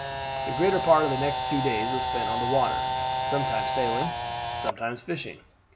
The greater part of the next two days was spent on the water, sometimes sailing, sometimes fishing.